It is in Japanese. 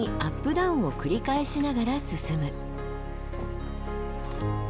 ダウンを繰り返しながら進む。